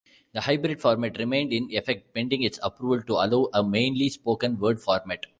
The hybrid format remained in effect pending its approval to allow a mainly-spoken-word format.